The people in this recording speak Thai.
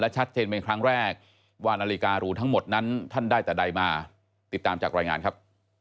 ชัดเจนเป็นครั้งแรกว่านาฬิการูทั้งหมดนั้นท่านได้แต่ใดมาติดตามจากรายงานครับ